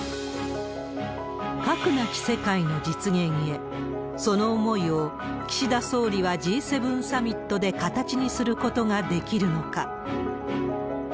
核なき世界の実現へ、その思いを、岸田総理はＧ７サミットで形にすることができるのか。